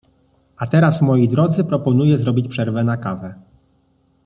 a teraz moi Drodzy, proponuję zrobić przerwę na kawę!